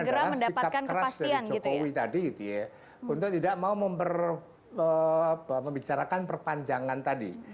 nah penyebabnya adalah sikap keras dari jokowi tadi untuk tidak mau membicarakan perpanjangan tadi